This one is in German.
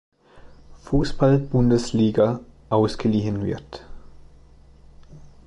Fußball-Bundesliga ausgeliehen wird.